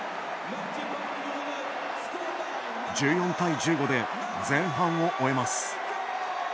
１４対１５で前半を終えます。